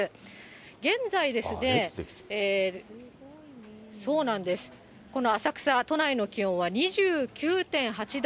現在ですね、この浅草、都内の気温は２９．８度。